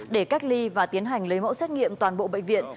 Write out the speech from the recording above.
để cách ly và tiến hành lấy mẫu xét nghiệm toàn bộ bệnh viện